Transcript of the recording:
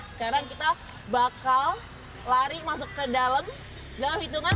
sekarang kita bakal lari masuk ke dalam dalam hitungan satu dua tiga